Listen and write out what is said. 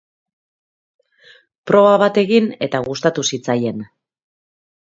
Proba bat egin eta gustatu zitzaien.